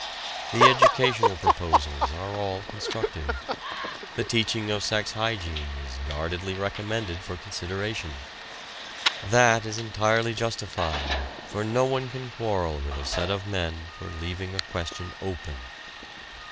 The educational proposals are all constructive: the teaching of sex hygiene is guardedly recommended for consideration. That is entirely justified, for no one can quarrel with a set of men for leaving a question open.